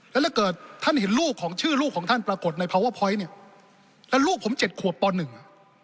แล้วถ้าเกิดท่านเห็นลูกของชื่อลูกของท่านปรากฏในพาวเวอร์พอยต์เนี่ยแล้วลูกผมเจ็ดขวบปหนึ่งอ่ะ